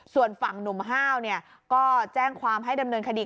ส่วนฝั่งหนุ่มห้าวก็แจ้งความให้ดำเนินคดี